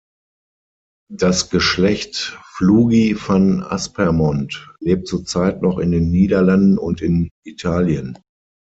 Das Geschlecht Flugi van Aspermont lebt zurzeit noch in den Niederlanden und in Italien.